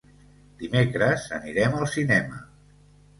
Dimecres anirem al cinema.